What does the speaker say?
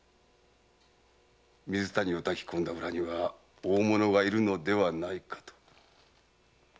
水谷を抱き込んだ裏には大物がいるのではないかと。